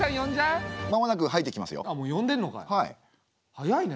早いね。